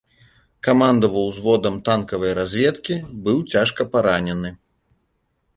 Камандаваў узводам танкавай разведкі, быў цяжка паранены.